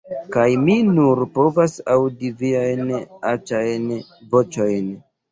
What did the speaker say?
"Kaj mi nur povas aŭdi viajn aĉajn voĉojn!"